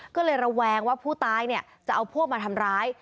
ก็เลยระแวงว่าผู้ตายจะเอาพวกมาทำร้าย